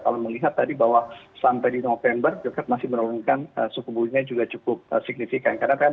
kalau melihat tadi bahwa sampai di november the fed masih menurunkan suku bunganya juga cukup signifikan